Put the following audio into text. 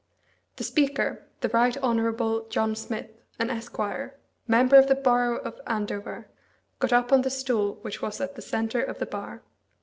The Speaker, the Right Honourable John Smith, an esquire, member for the borough of Andover, got up on the stool which was at the centre of the bar.